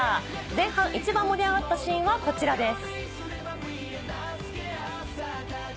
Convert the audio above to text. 前半一番盛り上がったシーンはこちらです。